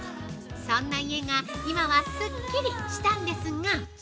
◆そんな家が今はすっきりしたんです。